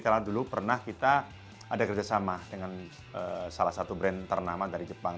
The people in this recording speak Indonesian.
karena dulu pernah kita ada kerjasama dengan salah satu brand ternama dari jepang